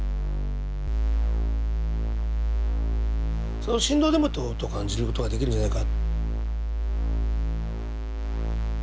その振動でもって「音」感じることができるんじゃないか？